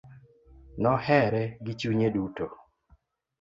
Nohere gi chunye duto.